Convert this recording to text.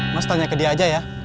mas tanya ke dia aja ya